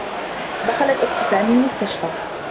دخلت أخت سامي المستشفى.